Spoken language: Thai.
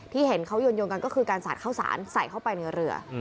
เห็นเขาโยนกันก็คือการสาดข้าวสารใส่เข้าไปในเรือ